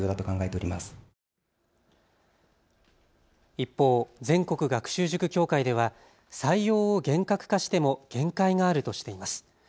一方、全国学習塾協会では採用を厳格化しても限界があるとしています。